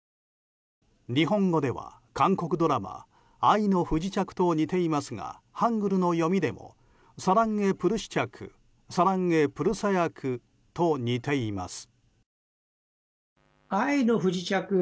日本語では、韓国ドラマ「愛の不時着」と似ていますがハングルの読みでも「サラン・エ・プルシチャク」「サラン・エ・プルサヤク」と似ています。